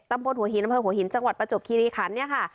บนหัวหินอำเภอหัวหินจังหวัดประจบคิริคันเนี่ยค่ะ